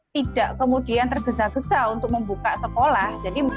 tidak kemudian tergesa gesa untuk membuka sekolah